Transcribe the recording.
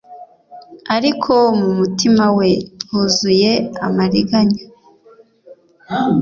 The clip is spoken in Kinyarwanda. ariko mu mutima we huzuye amariganya